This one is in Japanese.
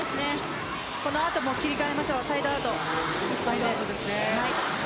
この後も切り替えましょうサイドアウト。